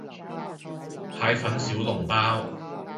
蟹粉小籠包